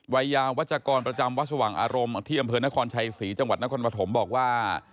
วัยยาวัชกรประจำวัดสว่างอารมณ์ที่อำเภอนครชัยศรีจังหวัดนครปฐมบอกว่า